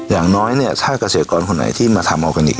อย่างน้อยถ้ากระเศกรคนไหนที่มาทำออร์แกนิค